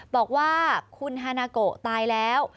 บอกว่าคุณฮานาโกตายแล้ว